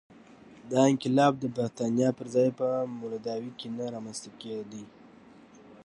دا انقلاب د برېټانیا پر ځای په مولداوي کې نه رامنځته کېده.